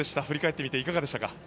振り返ってみて、いかがですか？